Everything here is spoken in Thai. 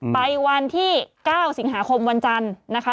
ไปวันที่๙สิงหาคมวันจันทร์นะคะ